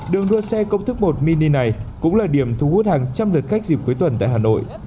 đường đua xe công thức một mini này cũng là điểm thu hút hàng trăm lượt khách dịp cuối tuần tại hà nội